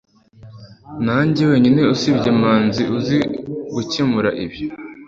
ninjye wenyine usibye manzi uzi gukemura ibi